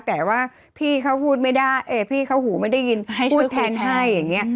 แต่ว่าพี่เขาหูไม่ได้ยินพูดแทนให้อย่างนี้